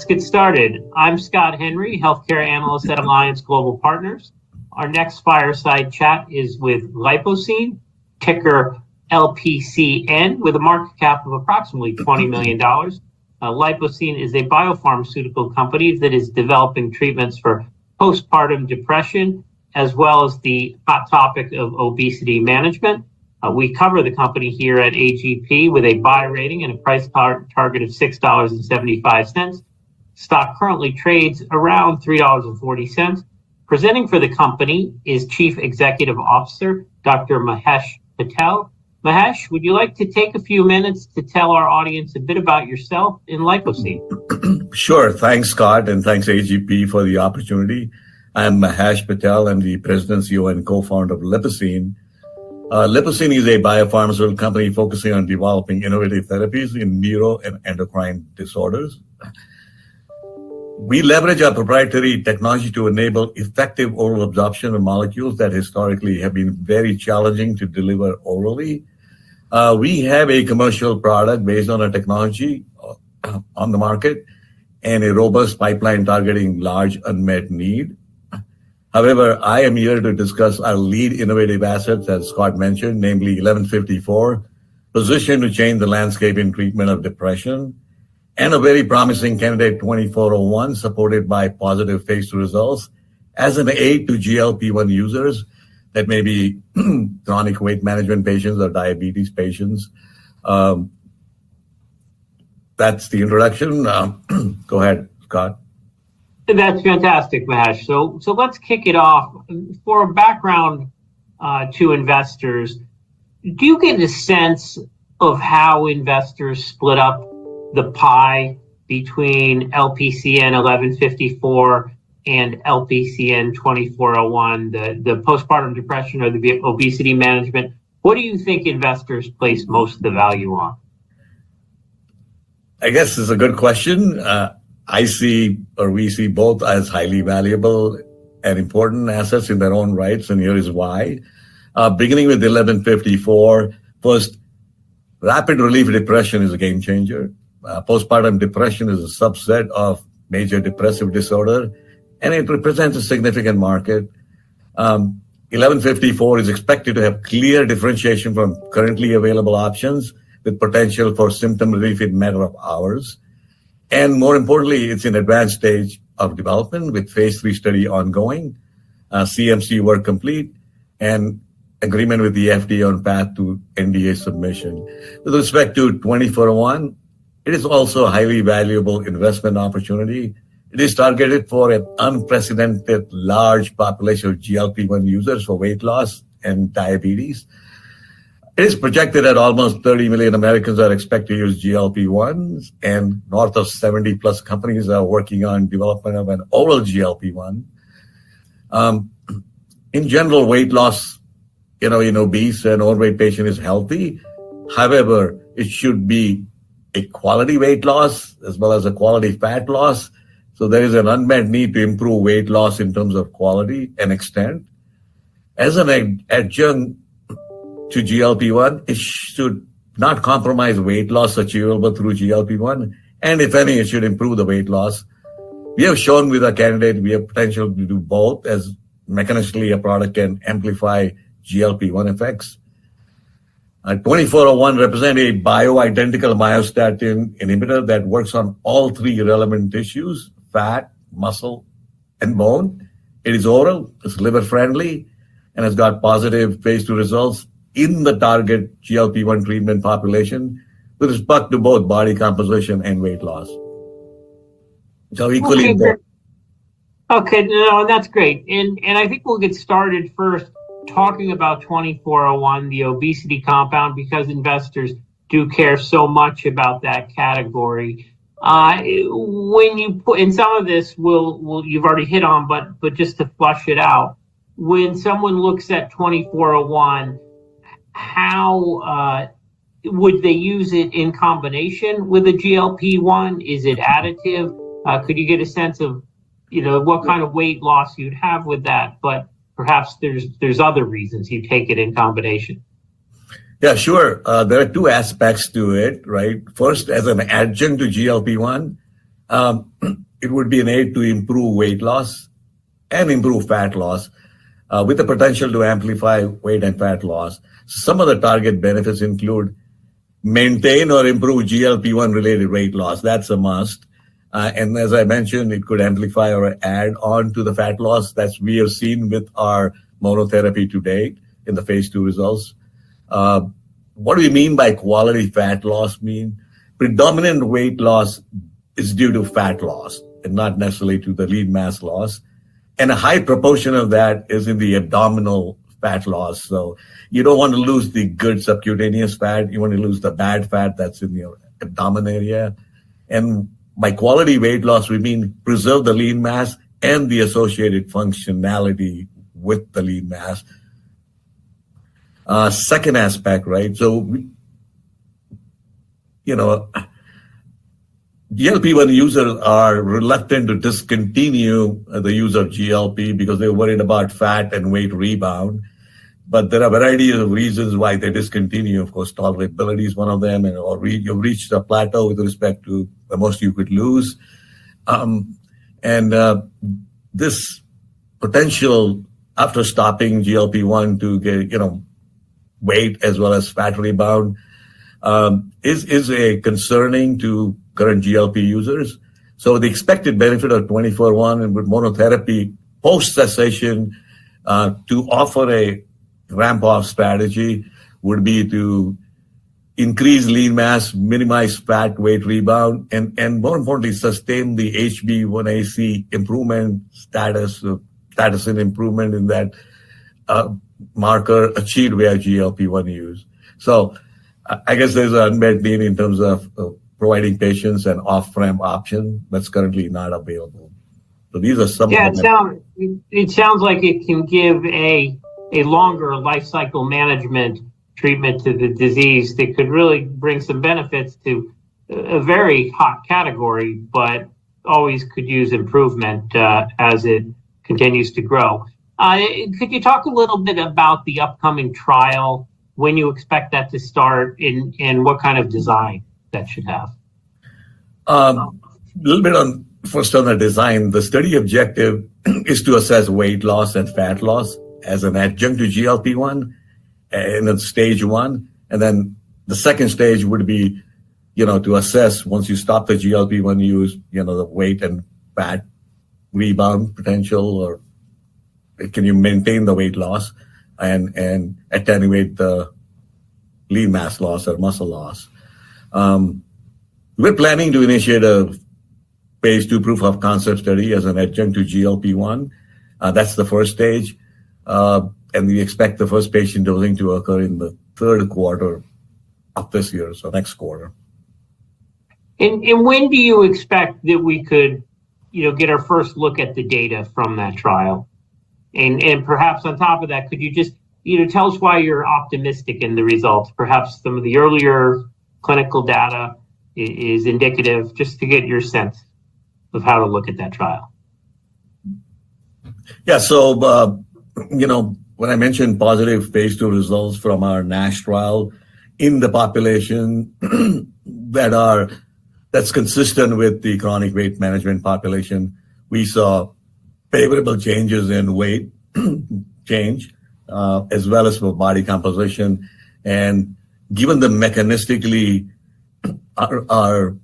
Let's get started. I'm Scott Henry, Healthcare Analyst at Alliance Global Partners. Our next fireside chat is with Lipocine, ticker LPCN, with a market cap of approximately $20 million. Lipocine is a biopharmaceutical company that is developing treatments for Postpartum Depression, as well as the hot topic of Obesity Management. We cover the company here at AGP with a buy rating and a price target of $6.75. Stock currently trades around $3.40. Presenting for the company is Chief Executive Officer, Dr. Mahesh Patel. Mahesh, would you like to take a few minutes to tell our audience a bit about yourself and Lipocine? Sure. Thanks, Scott, and thanks, AGP, for the opportunity. I'm Mahesh Patel. I'm the President, CEO, and Co-Founder of Lipocine. Lipocine is a biopharmaceutical company focusing on developing innovative therapies in neuro and endocrine disorders. We leverage our proprietary technology to enable effective oral absorption of molecules that historically have been very challenging to deliver orally. We have a commercial product based on our technology on the market and a robust pipeline targeting large unmet need. However, I am here to discuss our lead innovative assets, as Scott mentioned, namely 1154, positioned to change the landscape in treatment of depression, and a very promising candidate, 2401, supported by positive phase two results as an aid to GLP-1 users that may be chronic weight management patients or diabetes patients. That's the introduction. Go ahead, Scott. That's fantastic, Mahesh. Let's kick it off. For background to investors, do you get a sense of how investors split up the pie between LPCN 1154 and LPCN 2401, the postpartum depression or the obesity management? What do you think investors place most of the value on? I guess it's a good question. I see, or we see, both as highly valuable and important assets in their own rights, and here is why. Beginning with 1154, first, rapid relief of depression is a game changer. Postpartum depression is a subset of major depressive disorder, and it represents a significant market. 1154 is expected to have clear differentiation from currently available options, with potential for symptom relief in a matter of hours. More importantly, it's in the advanced stage of development, with phase III study ongoing, CMC work complete, and agreement with the FDA on path to NDA submission. With respect to 2401, it is also a highly valuable investment opportunity. It is targeted for an unprecedented large population of GLP-1 users for weight loss and diabetes. It is projected that almost 30 million Americans are expected to use GLP-1, and north of 70 plus companies are working on development of an oral GLP-1. In general, weight loss in obese and overweight patients is healthy. However, it should be a quality weight loss as well as a quality fat loss. There is an unmet need to improve weight loss in terms of quality and extent. As an adjunct to GLP-1, it should not compromise weight loss achievable through GLP-1, and if any, it should improve the weight loss. We have shown with our candidate we have potential to do both, as mechanistically a product can amplify GLP-1 effects. 2401 represents a bioidentical myostatin inhibitor that works on all three relevant tissues: fat, muscle, and bone. It is oral, it's liver friendly, and has got positive phase two results in the target GLP-1 treatment population, with respect to both body composition and weight loss. Equally important. Okay. No, that's great. I think we'll get started first talking about 2401, the obesity compound, because investors do care so much about that category. Some of this you've already hit on, but just to flush it out, when someone looks at 2401, how would they use it in combination with the GLP-1? Is it additive? Could you get a sense of what kind of weight loss you'd have with that? Perhaps there's other reasons you take it in combination. Yeah, sure. There are two aspects to it, right? First, as an adjunct to GLP-1, it would be an aid to improve weight loss and improve fat loss, with the potential to amplify weight and fat loss. Some of the target benefits include maintain or improve GLP-1 related weight loss. That's a must. As I mentioned, it could amplify or add on to the fat loss that we have seen with our monotherapy to date in the phase two results. What do we mean by quality fat loss? Predominant weight loss is due to fat loss and not necessarily to the lean mass loss. A high proportion of that is in the abdominal fat loss. You do not want to lose the good subcutaneous fat. You want to lose the bad fat that's in your abdominal area. By quality weight loss, we mean preserve the lean mass and the associated functionality with the lean mass. The second aspect, right? GLP-1 users are reluctant to discontinue the use of GLP-1 because they're worried about fat and weight rebound. There are a variety of reasons why they discontinue. Of course, tolerability is one of them, and you've reached a plateau with respect to the most you could lose. This potential after stopping GLP-1 to get weight as well as fat rebound is concerning to current GLP-1 users. The expected benefit of 2401 with monotherapy post cessation to offer a ramp-off strategy would be to increase lean mass, minimize fat weight rebound, and more importantly, sustain the HbA1c improvement status and improvement in that marker achieved via GLP-1 use. I guess there's an unmet need in terms of providing patients an off-ramp option that's currently not available. So these are some of the. Yeah. It sounds like it can give a longer life cycle management treatment to the disease that could really bring some benefits to a very hot category, but always could use improvement as it continues to grow. Could you talk a little bit about the upcoming trial? When you expect that to start and what kind of design that should have? A little bit first on the design. The study objective is to assess weight loss and fat loss as an adjunct to GLP-1 in stage one. The second stage would be to assess once you stop the GLP-1 use, the weight and fat rebound potential, or can you maintain the weight loss and attenuate the lean mass loss or muscle loss. We're planning to initiate a phase two proof of concept study as an adjunct to GLP-1. That's the first stage. We expect the first patient dosing to occur in the third quarter of this year, so next quarter. When do you expect that we could get our first look at the data from that trial? Perhaps on top of that, could you just tell us why you're optimistic in the results? Perhaps some of the earlier clinical data is indicative, just to get your sense of how to look at that trial. Yeah. When I mentioned positive phase two results from our NASH trial in the population that's consistent with the chronic weight management population, we saw favorable changes in weight change, as well as for body composition. Given that mechanistically our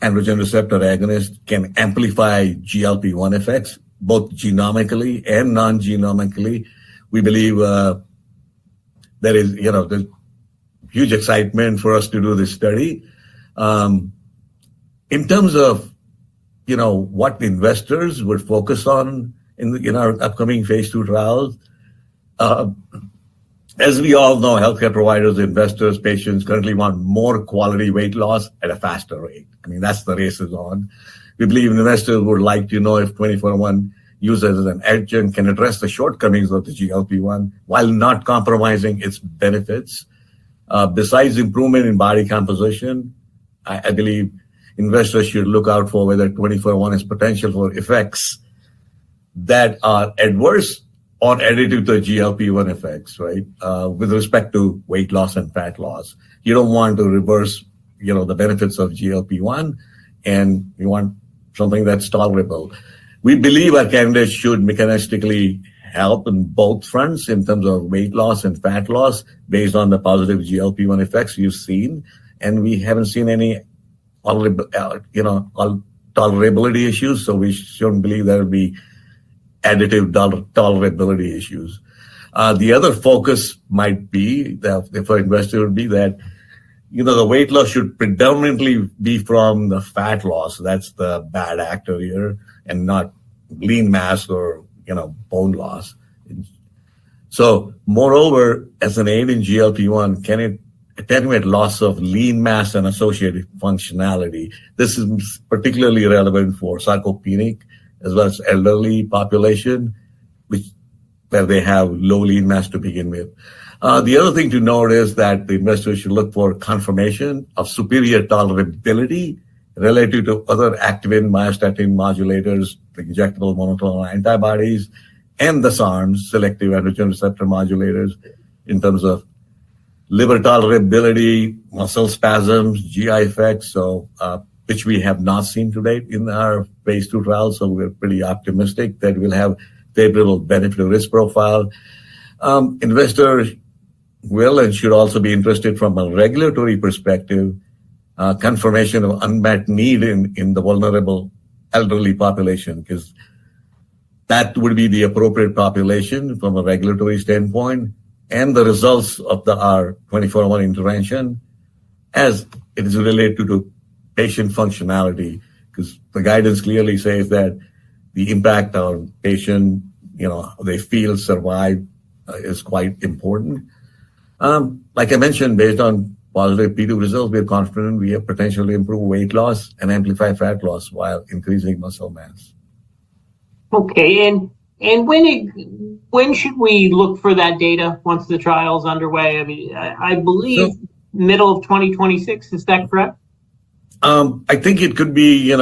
androgen receptor agonist can amplify GLP-1 effects, both genomically and non-genomically, we believe there is huge excitement for us to do this study. In terms of what investors would focus on in our upcoming phase II trials, as we all know, healthcare providers, investors, patients currently want more quality weight loss at a faster rate. I mean, that's the race is on. We believe investors would like to know if 2401 users as an adjunct can address the shortcomings of the GLP-1 while not compromising its benefits. Besides improvement in body composition, I believe investors should look out for whether 2401 has potential for effects that are adverse or additive to GLP-1 effects, right, with respect to weight loss and fat loss. You do not want to reverse the benefits of GLP-1, and you want something that is tolerable. We believe our candidates should mechanistically help in both fronts in terms of weight loss and fat loss based on the positive GLP-1 effects we have seen. We have not seen any tolerability issues, so we should not believe there will be additive tolerability issues. The other focus might be for investors would be that the weight loss should predominantly be from the fat loss. That is the bad actor here and not lean mass or bone loss. Moreover, as an aid in GLP-1, can it attenuate loss of lean mass and associated functionality? This is particularly relevant for sarcopenic as well as elderly population, where they have low lean mass to begin with. The other thing to note is that the investors should look for confirmation of superior tolerability relative to other active-in myostatin modulators, like Injectable Monoclonal Antibodies, and the SARMs, Selective Androgen Receptor Modulators, in terms of liver tolerability, muscle spasms, GI effects, which we have not seen to date in our phase II trials. We are pretty optimistic that we will have favorable benefit of risk profile. Investors will and should also be interested from a regulatory perspective, confirmation of unmet need in the vulnerable elderly population, because that would be the appropriate population from a regulatory standpoint, and the results of our 2401 intervention as it is related to patient functionality, because the guidance clearly says that the impact on patient, how they feel, survive is quite important. Like I mentioned, based on positive phase II results, we're confident we have potentially improved weight loss and amplified fat loss while increasing muscle mass. Okay. When should we look for that data once the trial's underway? I believe middle of 2026, is that correct? I think it could be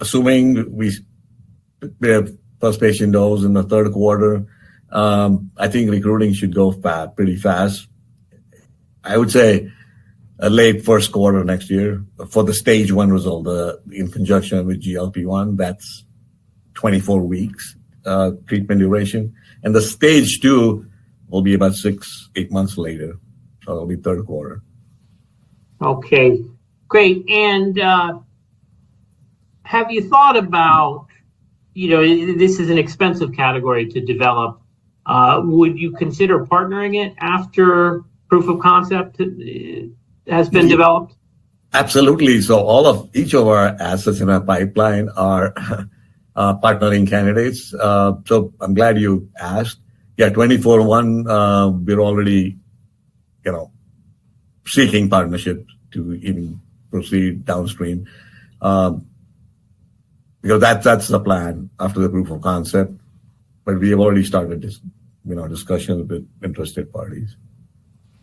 assuming we have first patient dose in the third quarter. I think recruiting should go pretty fast. I would say a late first quarter next year for the stage one result in conjunction with GLP-1. That's 24 weeks treatment duration. The stage two will be about six-eight months later. It will be third quarter. Great. Have you thought about this is an expensive category to develop. Would you consider partnering it after proof of concept has been developed? Absolutely. Each of our assets in our pipeline are partnering candidates. I'm glad you asked. Yeah, 2401, we're already seeking partnership to even proceed downstream because that's the plan after the proof of concept. We have already started discussions with interested parties.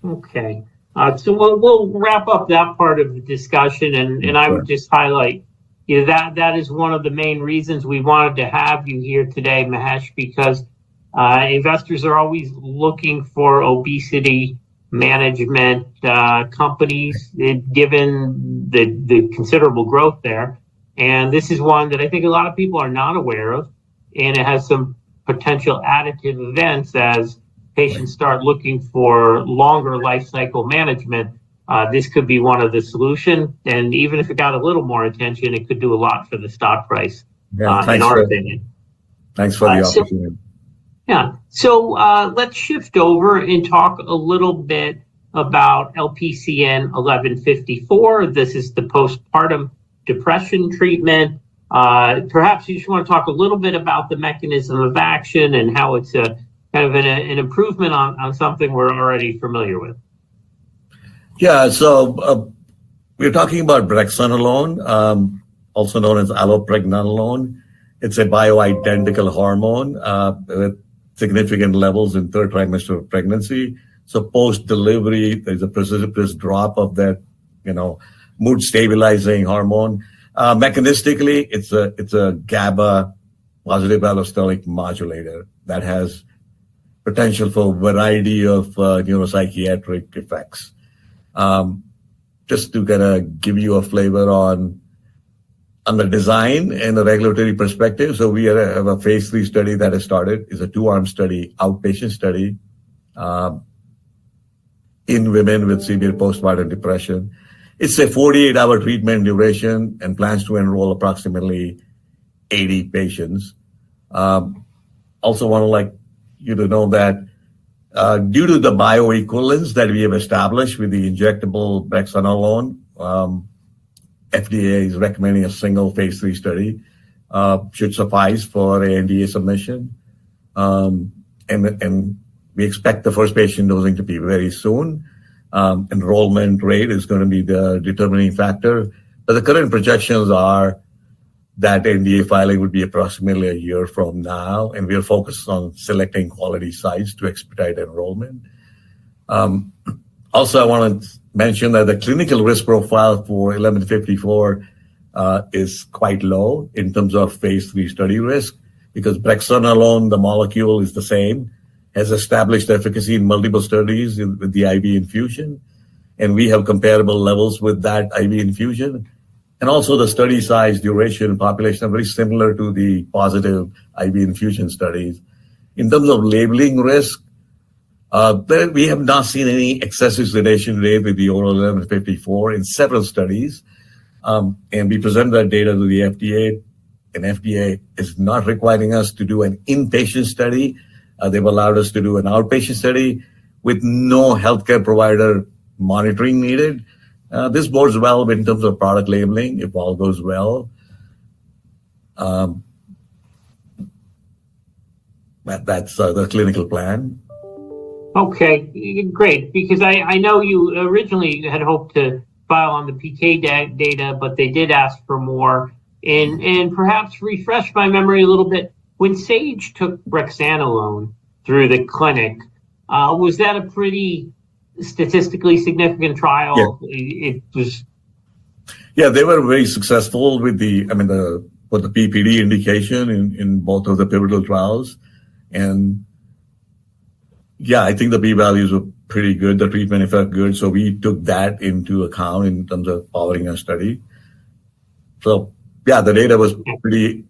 Okay. We'll wrap up that part of the discussion. I would just highlight that is one of the main reasons we wanted to have you here today, Mahesh, because investors are always looking for obesity management companies given the considerable growth there. This is one that I think a lot of people are not aware of. It has some potential additive events as patients start looking for longer life cycle management. This could be one of the solutions. Even if it got a little more attention, it could do a lot for the stock price. Yeah. Thanks for the opportunity. Yeah. Let's shift over and talk a little bit about LPCN 1154. This is the postpartum depression treatment. Perhaps you just want to talk a little bit about the mechanism of action and how it's kind of an improvement on something we're already familiar with. Yeah. So we're talking about Brexanolone, also known as Allopregnanolone. It's a bioidentical hormone with significant levels in the third trimester of pregnancy. Post-delivery, there's a precipitous drop of that mood-stabilizing hormone. Mechanistically, it's a GABA positive allosteric modulator that has potential for a variety of neuropsychiatric effects. Just to kind of give you a flavor on the design and the regulatory perspective, we have a phase three study that has started. It's a two-arm study, outpatient study in women with severe postpartum depression. It's a 48-hour treatment duration and plans to enroll approximately 80 patients. Also want to let you know that due to the bioequivalence that we have established with the injectable Brexanolone, FDA is recommending a single phase three study should suffice for NDA submission. We expect the first patient dosing to be very soon. Enrollment rate is going to be the determining factor. The current projections are that NDA filing would be approximately a year from now. We are focused on selecting quality sites to expedite enrollment. Also, I want to mention that the clinical risk profile for 1154 is quite low in terms of phase three study risk because Brexanolone, the molecule is the same, has established efficacy in multiple studies with the IV infusion. We have comparable levels with that IV infusion. Also, the study size, duration, and population are very similar to the positive IV infusion studies. In terms of labeling risk, we have not seen any excessive sedation rate with the oral 1154 in several studies. We presented that data to the FDA. FDA is not requiring us to do an inpatient study. They have allowed us to do an outpatient study with no healthcare provider monitoring needed. This bodes well in terms of product labeling if all goes well. That's the clinical plan. Okay. Great. Because I know you originally had hoped to file on the PK data, but they did ask for more. And perhaps refresh my memory a little bit. When Sage took Brexanolone through the clinic, was that a pretty statistically significant trial? Yeah. They were very successful with the, I mean, with the PPD indication in both of the pivotal trials. Yeah, I think the B values were pretty good. The treatment effect was good. We took that into account in terms of following our study. Yeah, the data was pretty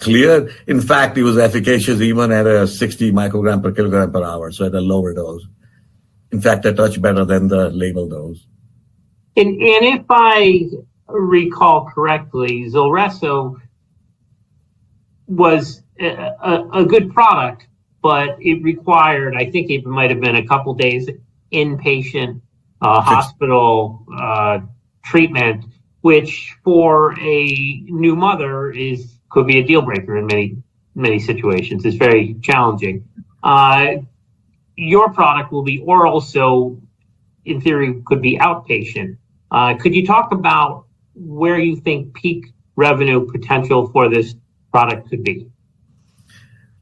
clear. In fact, it was efficacious even at a 60 microgram per kilogram per hour, so at a lower dose. In fact, a touch better than the labeled dose. If I recall correctly, Zulresso was a good product, but it required, I think it might have been a couple of days inpatient hospital treatment, which for a new mother could be a deal breaker in many situations. It is very challenging. Your product will be oral so, in theory, could be outpatient. Could you talk about where you think peak revenue potential for this product could be?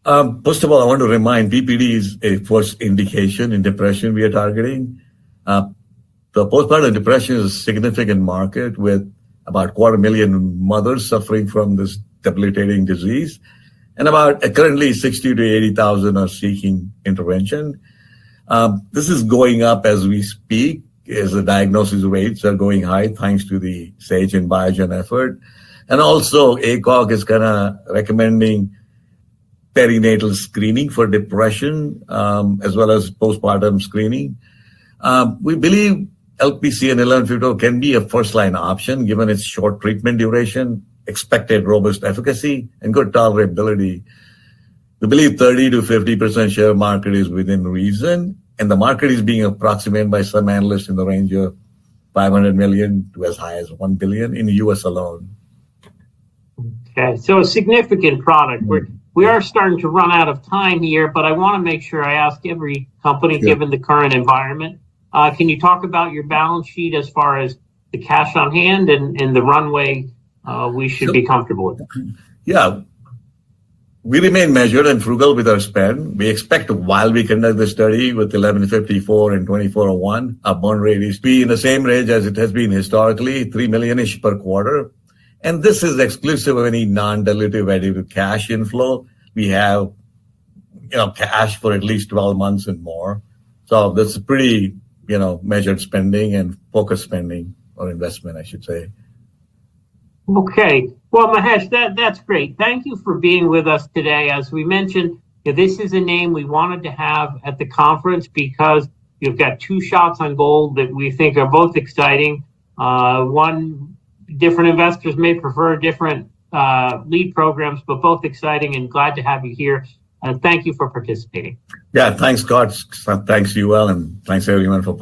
First of all, I want to remind PPD is a first indication in depression we are targeting. The postpartum depression is a significant market with about a quarter million mothers suffering from this debilitating disease. Currently, 60,000-80,000 are seeking intervention. This is going up as we speak as the diagnosis rates are going high thanks to the Sage and Biogen effort. Also, ACOG is kind of recommending perinatal screening for depression as well as postpartum screening. We believe LPCN 1154 can be a first-line option given its short treatment duration, expected robust efficacy, and good tolerability. We believe 30%-50% share market is within reason. The market is being approximated by some analysts in the range of $500 million to as high as $1 billion in the US alone. Okay. So a significant product. We are starting to run out of time here, but I want to make sure I ask every company given the current environment. Can you talk about your balance sheet as far as the cash on hand and the runway we should be comfortable with? Yeah. We remain measured and frugal with our spend. We expect while we conduct the study with 1154 and 2401, our burn rate is to be in the same range as it has been historically, $3 million-ish per quarter. This is exclusive of any non-diluted cash inflow. We have cash for at least 12 months and more. This is pretty measured spending and focused spending or investment, I should say. Okay. Mahesh, that's great. Thank you for being with us today. As we mentioned, this is a name we wanted to have at the conference because you've got two shots on goal that we think are both exciting. One, different investors may prefer different lead programs, but both exciting and glad to have you here. Thank you for participating. Yeah. Thanks, Scott. Thanks to you as well. And thanks everyone for.